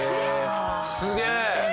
すげえ！